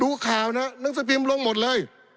ดูข่าวนะหนังสือพิมพ์ลงหมดเลย